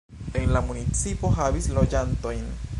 En la municipo havis loĝantojn.